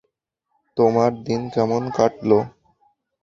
তোমার দিন কেমন কাটলো?